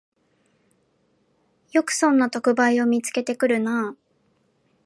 よくこんな特売を見つけてくるなあ